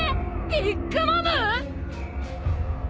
ビッグ・マム！？